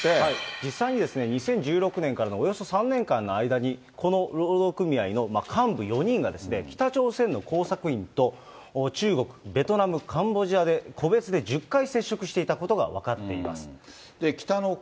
実際に２０１６年からのおよそ３年間の間に、この労働組合の幹部４人が北朝鮮の工作員と中国、ベトナム、カンボジアで個別で１０回接触していたことが分かっています。